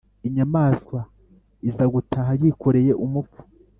inyamaswa iza gutaha yikoreye umupfu